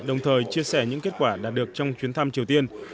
đồng thời chia sẻ những kết quả đạt được trong chuyến thăm triều tiên